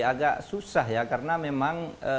agak susah ya karena memang